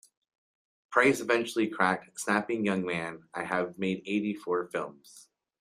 Price eventually cracked, snapping, Young man, I have made eighty-four films.